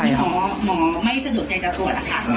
ไม่มีหมอหมอไม่สะดวกใจจะตรวจอะค่ะ